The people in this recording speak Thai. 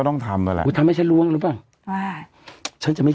ต้องทำก็แล้วอู๋ทำให้ฉันร่วงรู้ป่ะอ่าฉันจะไม่